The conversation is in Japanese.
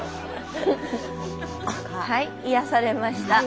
はい癒やされました。